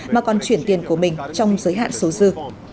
mà còn chuyển tiền của mình trong giới hạn số dư